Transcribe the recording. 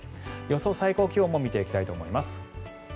予想最高気温も見ていきたいと思います。